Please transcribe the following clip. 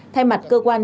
thay mặt cơ quan